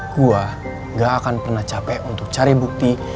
gua gak akan pernah capek untuk cari bukti